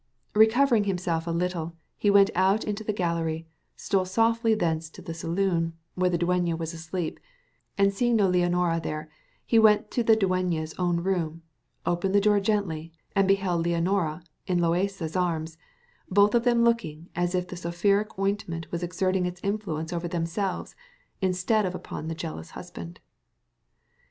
Recovering himself a little, he went out into the gallery, stole softly thence to the saloon, where the dueña was asleep, and seeing no Leonora there, he went to the dueña's own room, opened the door gently, and beheld Leonora in Loaysa's arms, and both of them looking as if the soporific ointment was exerting its influence over themselves instead of upon the jealous husband.